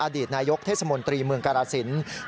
อดีตนายกเทศมนตรีเมืองกรสิน